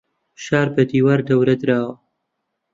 شار بە دیوار دەورە دراوە.